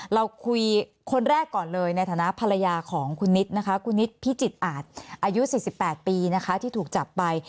เราคุยคนแรกก่อนเลยในฐานะภรรยาของคุณนิดนะคะคุณนิดพิจิตอาจอายุ๔๘ปีนะคะที่ถูกจับไป